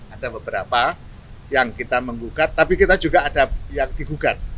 ada beberapa yang kita menggugat tapi kita juga ada yang digugat